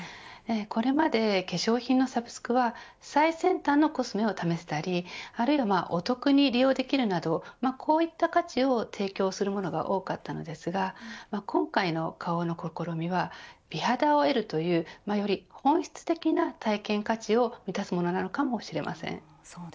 これまで化粧品のサブスクは最先端のコスメを試せたりあるいはお得に利用できるなどこういった価値を提供するものが多かったんですが今回の花王の試みは美肌を得るというより本質的な体験価値を満たすものなのかもしれません。